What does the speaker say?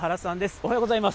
おはようございます。